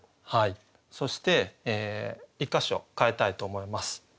そして１か所変えたいと思います。